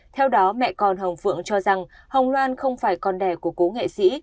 theo đó mẹ con hồng phượng cho rằng hồng loan không phải con đẻ của cố nghệ sĩ